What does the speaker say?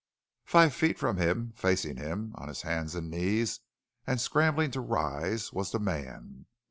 Five feet from him, facing him, on his hands and knees and scrambling to rise, was the man.